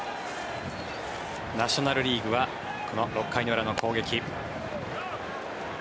ナショナル・リーグは６回の裏の攻撃。